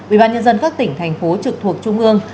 ubnd phát tỉnh thành phố trực thuộc trung ương